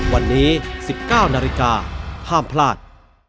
วันนี้๑๙นาฬิกาห้ามพลาด